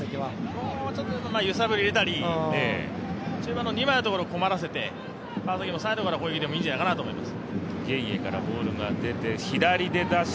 もうちょっと揺さぶり入れたり中盤の２枚のところを困らせて川崎も再度からの攻撃でもいいんじゃないかなと思います。